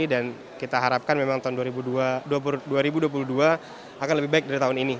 dan kita harapkan memang tahun dua ribu dua puluh dua akan lebih baik dari tahun ini